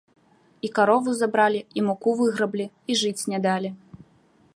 І карову забралі, і муку выграблі, і жыць не далі.